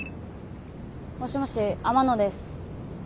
もしもし天野です。